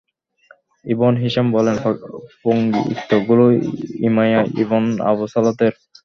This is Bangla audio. ইবন হিশাম বলেন, পংক্তিগুলো উমায়া ইবন আবুস সালত-এর।